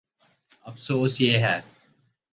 افسوس، یہ ہے۔